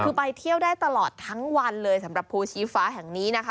คือไปเที่ยวได้ตลอดทั้งวันเลยสำหรับภูชีฟ้าแห่งนี้นะคะ